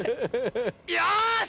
よし！